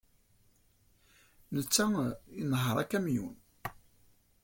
Netta inehheṛ akamyun.